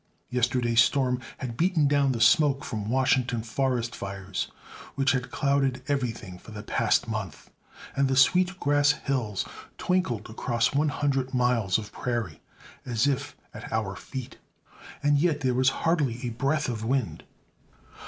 Yesterday's storm had beaten down the smoke from Washington forest fires, which had clouded everything for the past month, and the Sweet Grass Hills twinkled across one hundred miles of prairie as if at our feet; and yet there was hardly a breath of wind.